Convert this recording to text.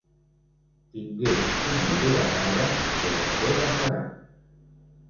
Tingués una idea vaga sobre què passarà.